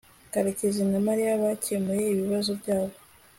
karekezi na mariya bakemuye ibibazo byabo